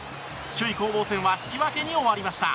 首位攻防戦は引き分けに終わりました。